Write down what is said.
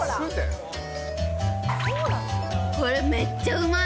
これ、めっちゃうまい。